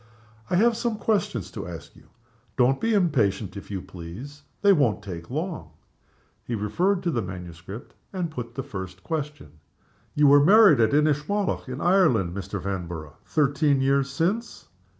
I have some questions to ask you. Don't be impatient, if you please. They won't take long." He referred to the manuscript, and put the first question. "You were married at Inchmallock, in Ireland, Mr. Vanborough, thirteen years since?"